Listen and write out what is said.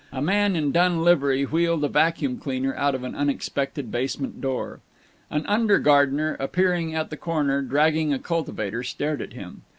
A man in dun livery wheeled a vacuum cleaner out of an unexpected basement door. An under gardener, appearing at the corner, dragging a cultivator, stared at him.